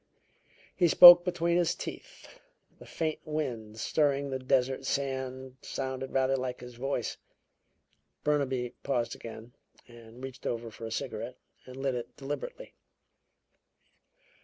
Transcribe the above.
He spoke between his teeth the faint wind stirring the desert sand sounded rather like his voice." Burnaby paused again and reached over for a cigarette and lit it deliberately.